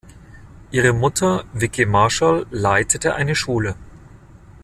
Ihre Mutter Vicki Marshall leitete eine Schule.